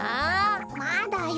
まだよ！